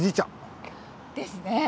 ですね！